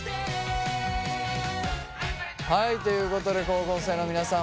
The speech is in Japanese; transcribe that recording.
はいということで高校生の皆さん